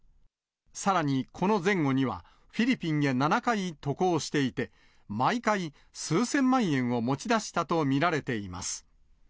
さらに、この前後にはフィリピンへ７回渡航していて、毎回、数千万円を持ち出したと見られています。